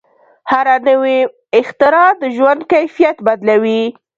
هره نوې اختراع د ژوند کیفیت بدلوي.